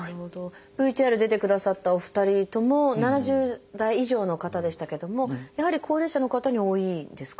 ＶＴＲ出てくださったお二人とも７０代以上の方でしたけどもやはり高齢者の方に多いですか？